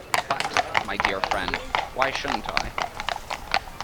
But, my dear friend, why shouldn't I?